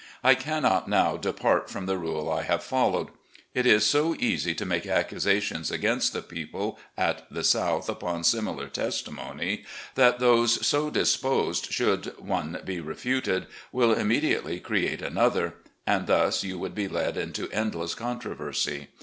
I cannot now depart from the rule I have followed. It is LEE'S OPINION UPON THE LATE WAR 225 so easy to make accusations against the people at the South upon similar testimony, that those so disposed, should one be refuted, will immediately create another ; and thus you would be led into endless controversy.